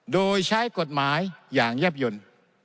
โดยใช้กฎหมายอย่างแยบยนต์